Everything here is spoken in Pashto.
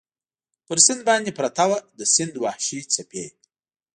پر سیند باندې پرته وه، د سیند وحشي څپې.